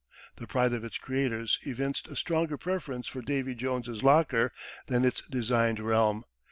The pride of its creators evinced a stronger preference for Davy Jones' Locker than its designed realm.